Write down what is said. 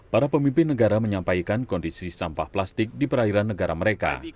para pemimpin negara menyampaikan kondisi sampah plastik di perairan negara mereka